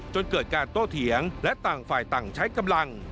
จนเกิดการโตเถียงและต่างฝ่ายต่างใช้กำลัง